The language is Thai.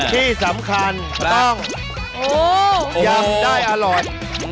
ที่สำคัญต้องยำได้อร่อย